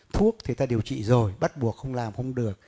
thuốc thì ta điều trị rồi bắt buộc không làm không được